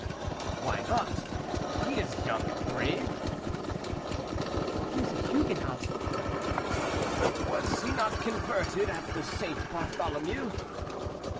"Why not? He is young, and brave," "He is a Huguenot." "Was he not converted at the St. Bartholomew?"